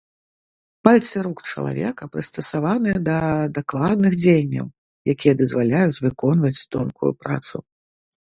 Пальцы рук чалавека прыстасаваныя да дакладных дзеянняў, якія дазваляюць выконваць тонкую працу.